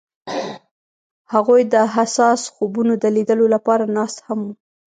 هغوی د حساس خوبونو د لیدلو لپاره ناست هم وو.